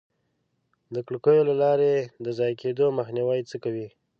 د کړکیو له لارې د ضایع کېدو مخنیوی څه کوئ؟